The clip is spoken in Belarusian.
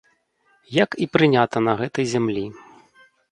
Як і прынята на гэтай зямлі.